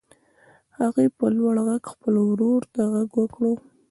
هغې په لوړ غږ خپل ورور ته غږ وکړ.